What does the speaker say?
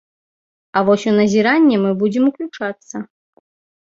А вось у назіранне мы будзем уключацца.